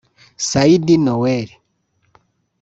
Saidi Noel